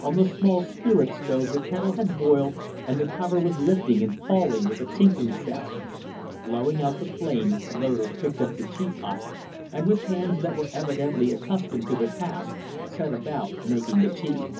On the small spirit stove the kettle had boiled and the cover was lifting and falling with a tinkling sound. Blowing out the flame, Loder picked up the teapot, and with hands that were evidently accustomed to the task set about making the tea.